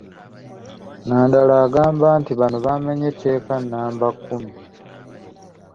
Nandala agamba nti bano baamenye etteeka nnamba kkumi.